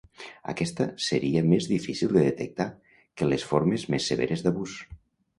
Aquesta seria més difícil de detectar que les formes més severes d’abús.